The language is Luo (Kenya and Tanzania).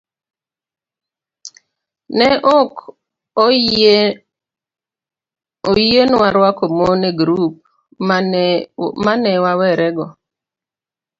ne ok oyienwa rwako mon e grup ma ne wawerego.